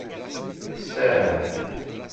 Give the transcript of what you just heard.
Tessaram.